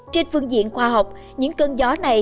trên phương diện khoa học những cơn gió này